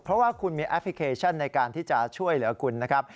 เพราะว่าคุณมีแอปพลิเคชันในการที่จะช่วยเหลือคุณนะครับ